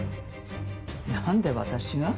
何で私が？